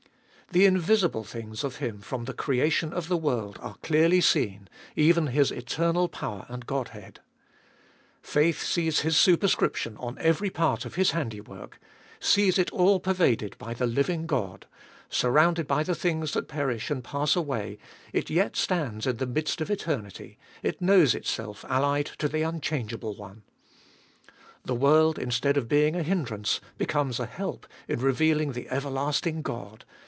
The invisible things of Him from the creation of the world are clearly seen, even His eternal power and Godhead, Faith sees His super scription on every part of His handiwork, sees it all pervaded by the living God ; surrounded by the things that perish and pass away, it yet stands in the midst of eternity, it knows itself allied to the unchangeable One. The world, instead of being a hindrance, becomes a help in revealing the everlasting God.